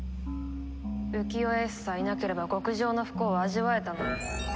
浮世英寿さえいなければ極上の不幸を味わえたのに！